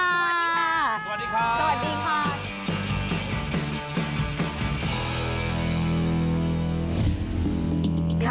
สวัสดีค่ะสวัสดีค่ะสวัสดีค่ะสวัสดีค่ะ